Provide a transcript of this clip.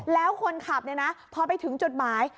แล้วคนขับเนี่ยนะพอไปถึงจุดหมาย